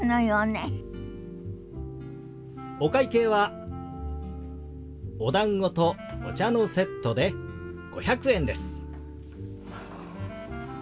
お会計はおだんごとお茶のセットで５００円です。